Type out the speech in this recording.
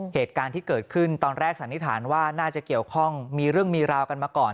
เหตุการณ์ที่เกิดขึ้นตอนแรกสันนิษฐานว่าน่าจะเกี่ยวข้องมีเรื่องมีราวกันมาก่อน